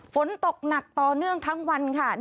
ฝนตกหนักต่อเนื่องทั้งวันค่ะ